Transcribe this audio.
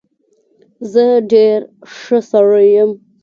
زه ډېر ښه سړى يم.